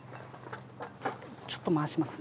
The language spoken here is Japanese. ちょっと回します。